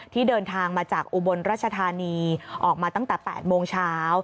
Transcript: เดินทางมาจากอุบลราชธานีออกมาตั้งแต่๘โมงเช้า